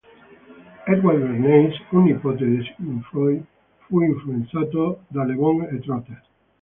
Edward Bernays, un nipote di Sigmund Freud, fu influenzato da Le Bon e Trotter.